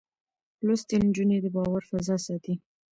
لوستې نجونې د باور فضا ساتي.